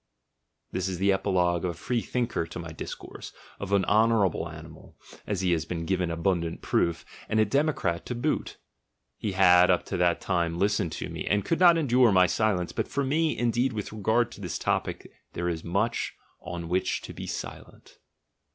This is the epilogue of a freethinker to my discourse, of an honourable animal (as he has given abundant proof), and a democrat to boot; he had up to that time listened to me, and could not endure my silence, but for me, indeed, with regard to this topic there is much on which to be silent.